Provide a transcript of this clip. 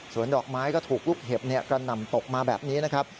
ส่วนดอกไม้ก็ถูกลูกเห็บกระหน่ำตกมาแบบนี้นะครับ